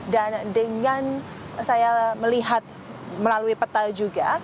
dengan saya melihat melalui peta juga